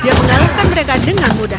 dia mengalahkan mereka dengan mudah